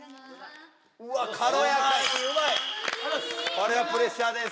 これはプレッシャーです。